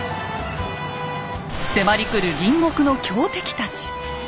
迫り来る隣国の強敵たち。